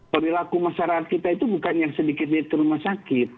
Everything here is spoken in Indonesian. perilaku masyarakat kita itu bukan yang sedikit di rumah sakit